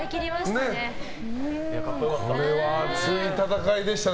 これは熱い戦いでしたね